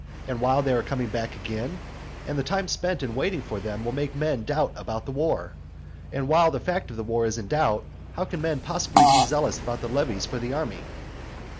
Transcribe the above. and while they are coming back again? and the time spent in waiting for them will make men doubt about the war. And while the fact of the war is in doubt, how can men possibly be zealous about the levies for the army?